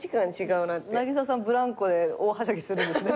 ブランコで大はしゃぎするんですねじゃあ。